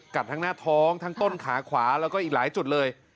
ทั้งหน้าท้องทั้งต้นขาขวาแล้วก็อีกหลายจุดเลย